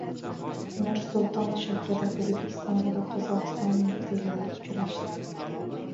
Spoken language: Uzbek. Nur-Sulton shahrida O‘zbekiston va Qozog‘iston muftiylari uchrashdi